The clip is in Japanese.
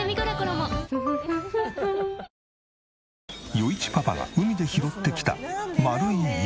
余一パパが海で拾ってきた丸い石。